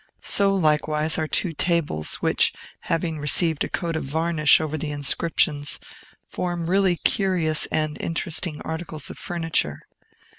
So, likewise, are two tables, which, having received a coat of varnish over the inscriptions, form really curious and interesting articles of furniture.